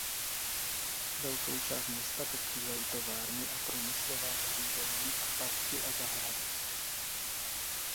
Velkou část města pokrývají továrny a průmyslová zařízení a parky a zahrady.